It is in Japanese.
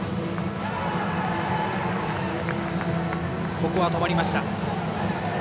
ここは止まりました。